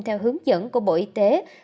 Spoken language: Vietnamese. theo hướng dẫn của bộ y tế